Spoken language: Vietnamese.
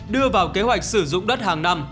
đưa vào kế hoạch sử dụng đất hàng năm